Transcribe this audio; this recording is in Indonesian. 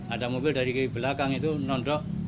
ada mobil dari belakang itu nondok